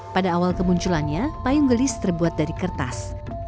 pada awal kemunculannya payung gelis terbuat dari kertas